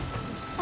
あ！